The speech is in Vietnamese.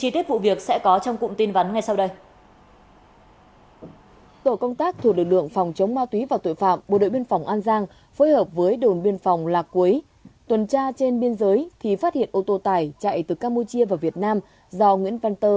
tuần tra trên biên giới thì phát hiện ô tô tải chạy từ campuchia vào việt nam do nguyễn văn tơ